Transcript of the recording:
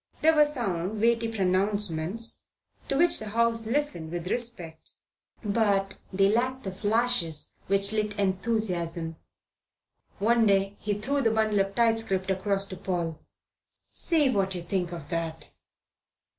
They were sound, weighty pronouncements, to which the House listened with respect; but they lacked the flashes which lit enthusiasm. One day he threw the bundle of typescript across to Paul. "See what you think of that."